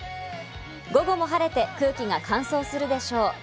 午後も晴れて空気が乾燥するでしょう。